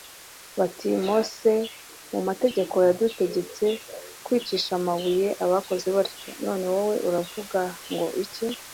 bati: «Mose mu mategeko yadutegetse kwicisha amabuye abakoze batyo; none wowe uravuga ngo iki?